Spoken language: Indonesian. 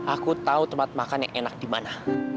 aku tahu tempat makan yang enak dimana